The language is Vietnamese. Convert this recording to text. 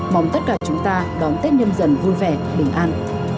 mong tất cả chúng ta đón tết nhâm dần vui vẻ bình an